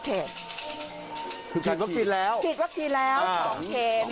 คือผิดวัคทีแล้ว๒เข็ม